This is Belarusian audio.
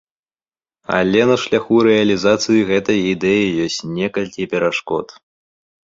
Але на шляху рэалізацыі гэтай ідэі ёсць некалькі перашкод.